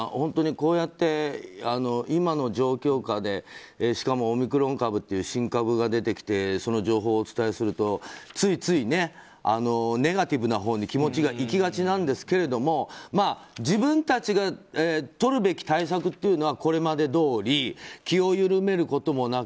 こうやって今の状況下でしかもオミクロン株っていう新株が出てきてその情報をお伝えするとついついネガティブなほうに気持ちがいきがちなんですけど自分たちが取るべき対策というのはこれまでどおり気を緩めることなく。